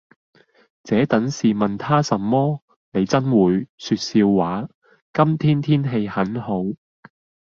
「這等事問他甚麼。你眞會……説笑話。……今天天氣很好。」